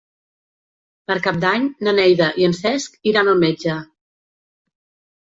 Per Cap d'Any na Neida i en Cesc iran al metge.